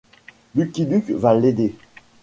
Lucky Luke va l'aider.